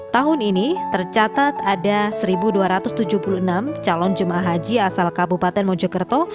tahun ini tercatat ada satu dua ratus tujuh puluh enam calon jemaah haji asal kabupaten mojokerto